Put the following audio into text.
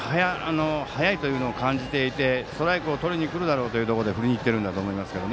速いというのを感じていてストライクをとりにくるだろうというところで振りにいってるんだと思いますが。